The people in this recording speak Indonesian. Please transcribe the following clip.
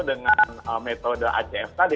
dengan metode acs tadi